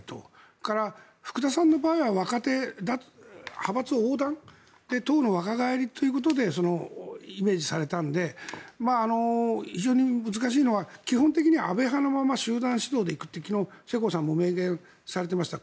それから福田さんの場合は若手で派閥横断で党の若返りということでそれをイメージされたので非常に難しいのは基本的には安倍派のまま集団指導で行くと昨日、世耕さんも明言されていました。